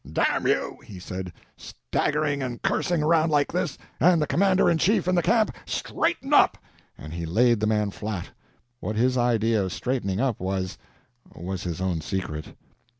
"Damn you!" he said, "staggering and cursing around like this, and the Commander in Chief in the camp! Straighten up!" and he laid the man flat. What his idea of straightening up was, was his own secret.